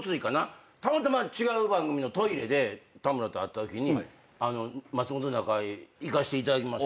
たまたま違う番組のトイレで田村と会ったときに「『まつもｔｏなかい』行かせていただきます」